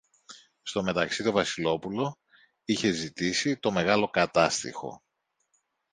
στο μεταξύ το Βασιλόπουλο είχε ζητήσει το μεγάλο Κατάστιχο